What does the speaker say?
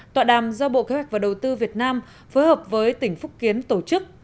tọa đàm do bộ kế hoạch và đầu tư việt nam phối hợp với tỉnh phúc kiến tổ chức